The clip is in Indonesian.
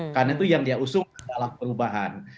karena itu yang dia usung adalah perubahan